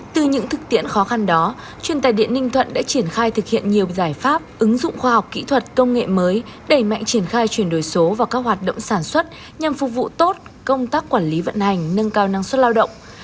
từ những thực tiễn khó khăn đó truyền tài điện ninh thuận đã triển khai thực hiện nhiều giải pháp ứng dụng khoa học kỹ thuật công nghệ mới đẩy mạnh triển khai chuyển đổi số và các hoạt động sản xuất nhằm phục vụ tốt công tác quản lý vận hành nâng cao năng suất lao động